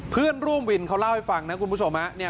เพื่อนร่วมวินเขาเล่าให้ฟังนะคุณผู้ชม